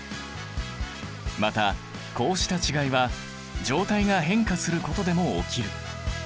またこうした違いは状態が変化することでも起きる。